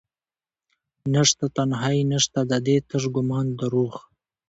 نشته تنهایې نشته دادي تش ګمان دروح